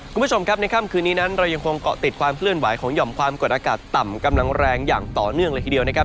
คุณผู้ชมครับในค่ำคืนนี้นั้นเรายังคงเกาะติดความเคลื่อนไหวของหย่อมความกดอากาศต่ำกำลังแรงอย่างต่อเนื่องเลยทีเดียวนะครับ